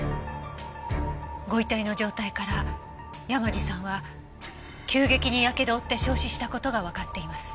ご遺体の状態から山路さんは急激にやけどを負って焼死した事がわかっています。